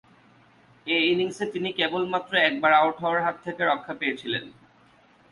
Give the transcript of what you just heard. এ ইনিংসে তিনি কেবলমাত্র একবার আউট হওয়ার হাত থেকে রক্ষা পেয়েছিলেন।